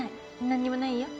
何にもないよ。